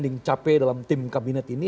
yang capek dalam tim kabinet ini